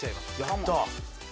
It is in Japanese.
やった！